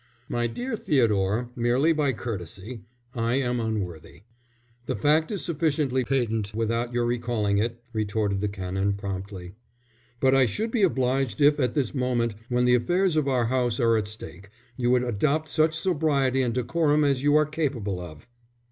"My dear Theodore, merely by courtesy: I am unworthy." "The fact is sufficiently patent without your recalling it," retorted the Canon, promptly. "But I should be obliged if at this moment, when the affairs of our house are at stake, you would adopt such sobriety and decorum as you are capable of."